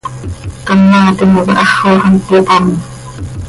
Canoaa timoca haxoj hant cöyopám.